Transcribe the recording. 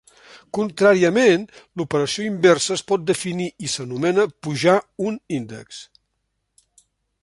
Contràriament, l'operació inversa es pot definir i s'anomena "pujar un índex".